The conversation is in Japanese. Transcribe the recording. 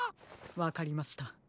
わかりました。